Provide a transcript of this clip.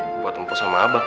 buat mpok sama abang